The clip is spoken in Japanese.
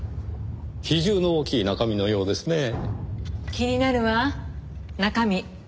気になるわ中身。